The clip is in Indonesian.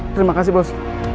terima kasih bos